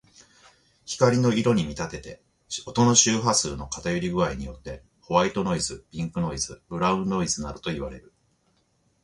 光の色に見立てて、音の周波数の偏り具合によってホワイトノイズ、ピンクノイズ、ブラウンノイズなどといわれる。